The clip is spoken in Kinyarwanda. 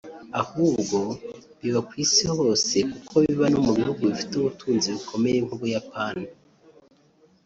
ahubwo biba ku Isi hose kuko no mu bihugu bifite ubutunzi bukomeye nk’u Buyapani